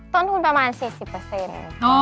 ต้นทุนประมาณ๔๐เปอร์เซ็นต์